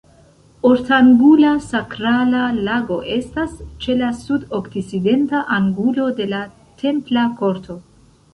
Ortangula sakrala lago estas ĉe la sud-okcidenta angulo de la templa korto.